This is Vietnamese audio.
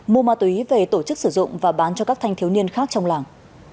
mua ma túy về tổ chức sử dụng và bán cho các thanh thiếu niên khác trong làng